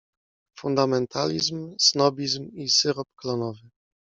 Fundamentalizm, snobizm i syrop klonowy.